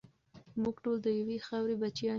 موږ ټول د یوې خاورې بچیان یو.